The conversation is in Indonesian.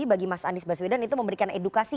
bagi mas anies baswedan itu memberikan edukasi